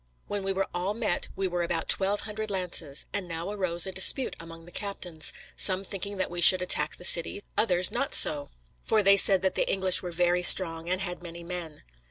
When we were all met we were about twelve hundred lances; and now arose a dispute among the captains, some thinking that we should attack the city, others not so, for they said that the English were very strong, and had many men.